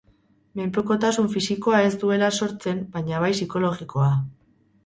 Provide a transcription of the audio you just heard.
Menpekotasun fisikoa ez duela sortzen, baina bai psikologikoa.